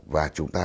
và chúng ta